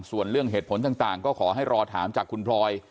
ส่วนเรื่องเหตุผลต่างก็ขอให้รอถามจากคุณพลอย